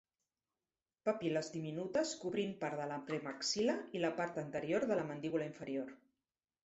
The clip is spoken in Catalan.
Papil·les diminutes cobrint part de la premaxil·la i la part anterior de la mandíbula inferior.